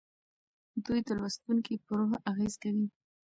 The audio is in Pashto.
دوی د لوستونکي په روح اغیز کوي.